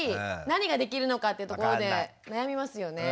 何ができるのかっていうところで悩みますよね。